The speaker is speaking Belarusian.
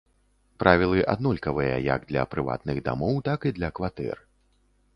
Правілы аднолькавыя, як для прыватных дамоў, так і для кватэр.